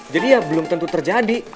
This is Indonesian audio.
jadi ya belum tentu terjadi